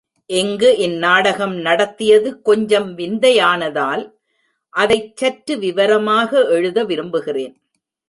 இங்கு இந்நாடகம் நடத்தியது கொஞ்சம் விந்தையானதால், அதைச் சற்று விவரமாக எழுத விரும்புகிறேன்.